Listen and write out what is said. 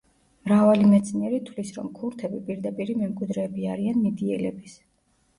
მრავალი მეცნიერი თვლის, რომ ქურთები პირდაპირი მემკვიდრეები არიან მიდიელების.